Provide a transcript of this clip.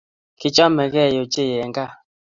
Kichamegei ochei eng kaa